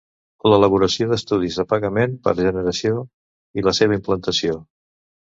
L'elaboració d'estudis de pagament per generació i la seva implantació.